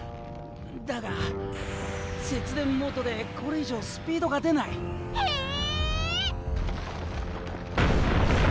だが節電モードでこれ以上スピードが出ない！えっ！？